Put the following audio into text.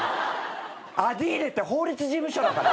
アディーレって法律事務所だから！